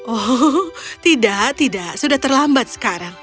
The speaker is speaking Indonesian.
oh tidak tidak sudah terlambat sekarang